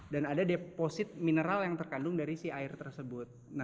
dan ada deposit mineral yang terkandung dari si air tersebut